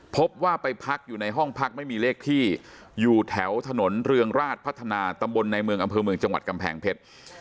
พบว่าไปพักอยู่ในห้องพักไม่มีเลขที่อยู่แถวถนนเรืองราชพัฒนาตำบลในเมืองอำเภอเมืองจังหวัดกำแพงเพชร